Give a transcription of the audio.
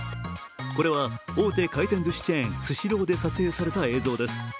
これは、大手回転ずしチェーンスシローで撮影された映像です。